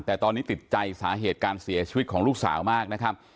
แต่ตอนนี้ติดใจสาเหตุการเสียชีวิตของลูกสาวมากนะครับ